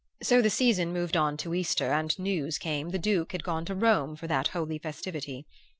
"So the season moved on to Easter, and news came the Duke had gone to Rome for that holy festivity.